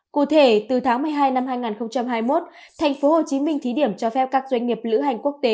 cụ thể từ tháng một mươi hai năm hai nghìn hai mươi một thành phố hồ chí minh thí điểm cho phép các doanh nghiệp lữ hành quốc tế